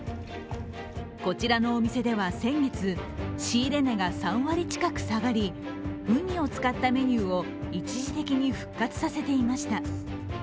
こちらのお店では先月、仕入れ値が３割近く下がりウニを使ったメニューを一時的に復活させていました。